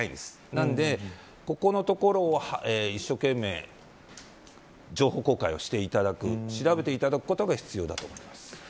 なので、ここのところを一生懸命情報公開をしていただく調べていただくことが必要だと思います。